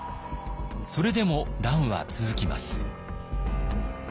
それでも乱は続きます。